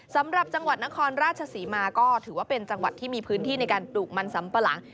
สำหรับจังหวัดนครราชศรีมาก็ถือว่าเป็นจังหวัดที่มีพื้นที่ในการปลูกมันสำปะหลัง